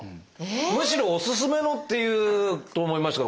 むしろ「おすすめの」って言うと思いましたけど。